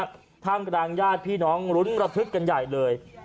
ท่ามกลางญาติพี่น้องรุ้นระทึกกันใหญ่เลย